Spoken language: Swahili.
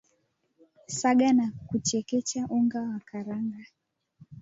saga na kuchekecha unga wa karanga